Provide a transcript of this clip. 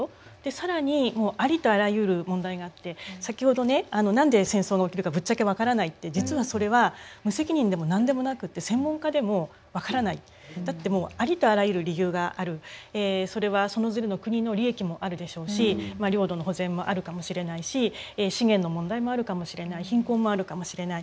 更にありとあらゆる問題があって先ほどね何で戦争が起きるかぶっちゃけ分からないって実はそれは無責任でも何でもなくってだってもうそれはそれぞれの国の利益もあるでしょうし領土の保全もあるかもしれないし資源の問題もあるかもしれない貧困もあるかもしれない。